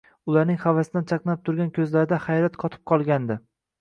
Ularning havasdan chaqnab turgan ko‘zlarida hayrat qotib qolgandi: